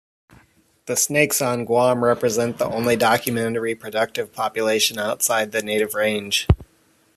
The snakes on Guam represent the only documented reproductive population outside the native range.